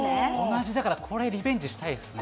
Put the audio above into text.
同じ、だからこれ、リベンジしたいですね。